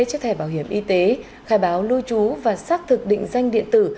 cho thẻ bảo hiểm y tế khai báo lưu trú và xác thực định danh điện tử